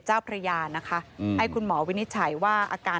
ให้คุณหมอวินิจัยว่า